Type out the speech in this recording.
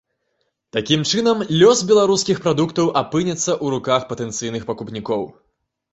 Такім чынам, лёс беларускіх прадуктаў апынецца ў руках патэнцыйных пакупнікоў.